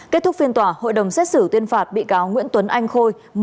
kết thúc phiên tòa hội đồng xét xử tuyên phạt bị cáo nguyễn tuấn anh khôi